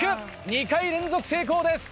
２回連続成功です。